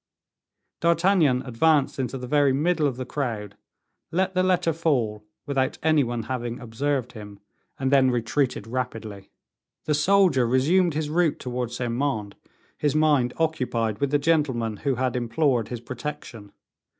D'Artagnan advanced into the very middle of the crowd, let the letter fall, without any one having observed him, and then retreated rapidly. The soldier resumed his route towards Saint Mande, his mind occupied with the gentleman who had implored his protection.